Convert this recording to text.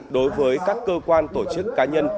đối với các cơ quan tổ chức cá nhân